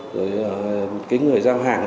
rồi người giao hàng bán